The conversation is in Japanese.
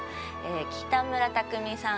北村匠海さん